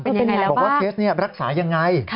เป็นอย่างไรแล้วบ้างบอกว่าเคสนี้รักษายังไง